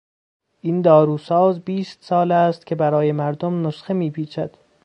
این داروساز بیست سال است که برای مردم نسخه میپیچد.